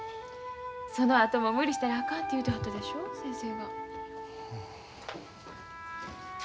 そのあとも無理したらあかんて言うてはったでしょ先生が。